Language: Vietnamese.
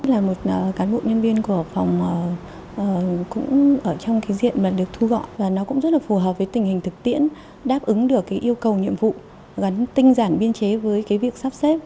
là một cán bộ nhân viên của phòng cũng ở trong cái diện mà được thu gọi và nó cũng rất là phù hợp với tình hình thực tiễn đáp ứng được cái yêu cầu nhiệm vụ gắn tinh giản biên chế với cái việc sắp xếp